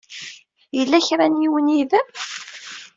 Yella kra n yiwen yid-m?